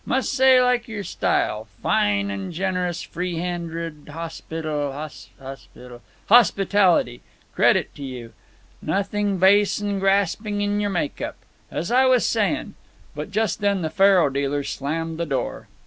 "Must say like your style—fine an' generous, free handed hospital ... hospital ... hospitality. Credit to you. Nothin' base 'n graspin' in your make up. As I was sayin'—" But just then the faro dealer slammed the door.